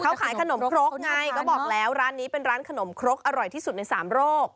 เขาขายขนมครกไงก็บอกแล้วร้านนี้เป็นร้านขนมครกอร่อยที่สุดในสามโรค